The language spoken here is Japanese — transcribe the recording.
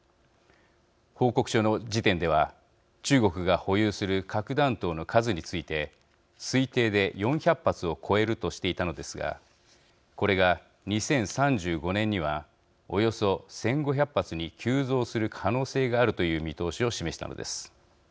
報告書の時点では中国が保有する核弾頭の数について推定で４００発を超えるとしていたのですがこれが２０３５年にはおよそ１，５００発に急増する可能性があるという見通しを示したのです。